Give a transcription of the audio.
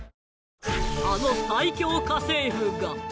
あの最恐家政夫が